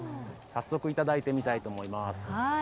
早速いただいてみたいと思います。